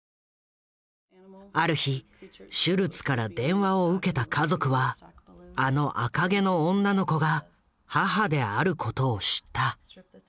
ある日シュルツから電話を受けた家族はあの赤毛の女の子が母であることを知った。